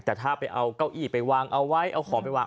แต่ถ้าไปเอาเก้าอี้ไปวางเอาไว้เอาของไปวาง